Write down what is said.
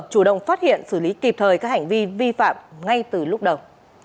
chủ động phát hiện xử lý kịp thời các hành vi vi phạm ngay từ lúc đầu